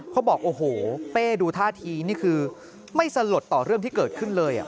เขาบอกโอ้โหเป้ดูท่าทีนี่คือไม่สลดต่อเรื่องที่เกิดขึ้นเลย